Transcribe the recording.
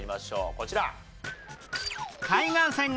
こちら。